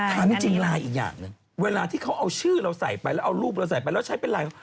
ถามจริงไลน์อีกอย่างหนึ่งเวลาที่เขาเอาชื่อเราใส่ไปแล้วเอารูปเราใส่ไปแล้วใช้เป็นไลน์